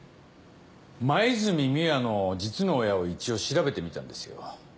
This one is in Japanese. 黛美羽の実の親を一応調べてみたんですよ。